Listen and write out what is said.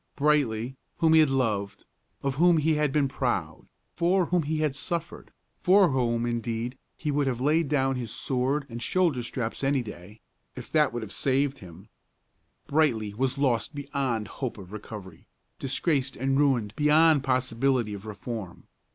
Brightly, whom he had loved; of whom he had been proud; for whom he had suffered; for whom, indeed, he would have laid down his sword and shoulder straps any day, if that would have saved him, Brightly was lost beyond hope of recovery, disgraced and ruined beyond possibility of reform.